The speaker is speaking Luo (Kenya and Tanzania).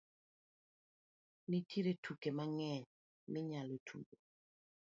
Nitie tuke mang'eny minyalo tugo.